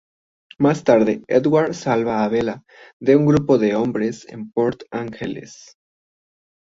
Más tarde, Edward salva a Bella de un grupo de hombres en Port Angeles.